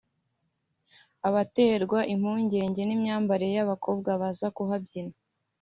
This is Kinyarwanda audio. a baterwa impungenge n’imyambarire y’abakobwa baza kuhabyina